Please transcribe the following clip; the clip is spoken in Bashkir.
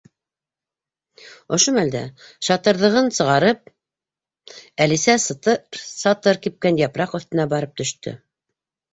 Ошо мәлдә, шатырҙығын сығарып, Әлисә сытыр-сатыр, кипкән япраҡ өҫтөнә барып төштө.